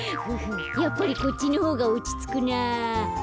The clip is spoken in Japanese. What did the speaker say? やっぱりこっちのほうがおちつくなぁ。